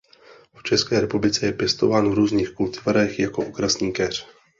V České republice je pěstován v různých kultivarech jako okrasný keř.